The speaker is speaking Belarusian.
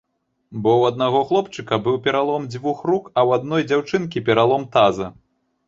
Бо ў аднаго хлопчыка быў пералом дзвюх рук, а ў адной дзяўчынкі пералом таза.